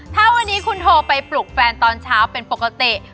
ถ้าวันนี้คุณโทรไปปลุกแฟนตอนเช้าเป็นปกติ